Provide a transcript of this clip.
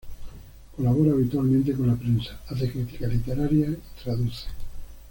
Colabora habitualmente con la prensa, hace crítica literaria y traduce.